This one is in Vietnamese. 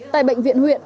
tại bệnh viện huyện